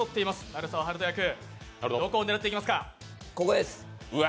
鳴沢温人役、どこを狙っていきますか？